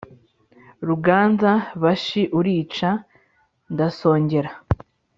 Ruganza-bashi urica, ndasongera.